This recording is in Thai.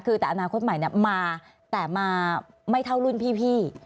คือแต่อนาคตใหม่มาแต่มาไม่เท่ารุ่นพี่